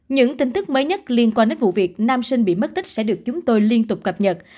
những tin tức mới nhất liên quan đến vụ việc nam sinh bị mất tích sẽ được chúng tôi liên tục cập nhật